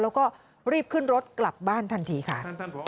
แล้วก็รีบขึ้นรถกลับบ้านทันทีค่ะ